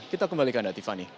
kita kembali ke anda tiffany